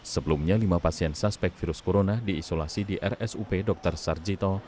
sebelumnya lima pasien suspek virus corona diisolasi di rsup dr sarjito